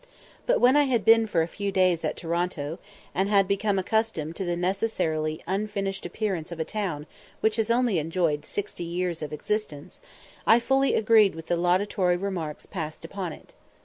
But when I had been for a few days at Toronto, and had become accustomed to the necessarily unfinished appearance of a town which has only enjoyed sixty years of existence, I fully agreed with the laudatory remarks passed upon it.